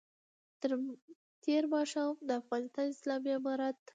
تېر ماښام یې د افغانستان اسلامي امارت